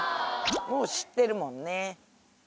もう知ってるもんね。